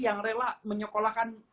yang rela menyokolakan